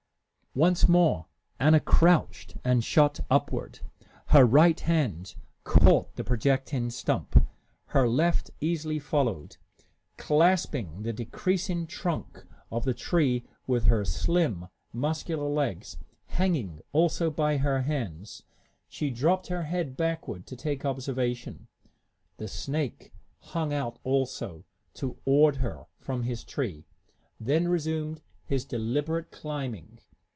Once more Anna crouched and shot upward. Her right hand caught the projecting stump, her left easily followed. Clasping the decreasing trunk of the tree with her slim, muscular legs, hanging also by her hands, she dropped her head backward to take observation. The snake hung out, also, toward her, from his tree, then resumed his deliberate climbing.